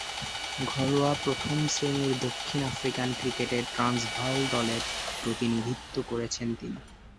ঘরোয়া প্রথম-শ্রেণীর দক্ষিণ আফ্রিকান ক্রিকেটে ট্রান্সভাল দলের প্রতিনিধিত্ব করেছেন তিনি।